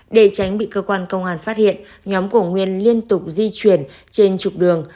để tránh bị cơ quan công an phát hiện nhóm của nguyên liên tục di chuyển trên trục đường